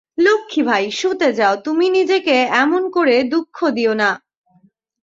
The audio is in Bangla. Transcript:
লক্ষ্মী ভাই, শুতে যাও– তুমি নিজেকে এমন করে দুঃখ দিয়ো না।